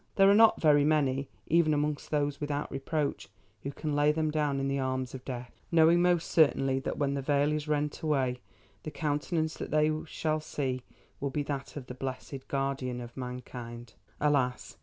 There are not very many, even among those without reproach, who can lay them down in the arms of Death, knowing most certainly that when the veil is rent away the countenance that they shall see will be that of the blessed Guardian of Mankind. Alas!